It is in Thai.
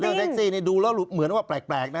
แท็กซี่นี่ดูแล้วเหมือนว่าแปลกนะ